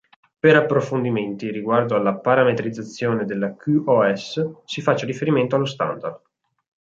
Per approfondimenti riguardo alla parametrizzazione della QoS si faccia riferimento allo standard.